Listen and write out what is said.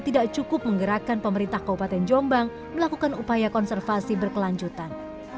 tidak cukup menggerakkan pemerintah kabupaten jombang melakukan upaya konservasi berkelanjutan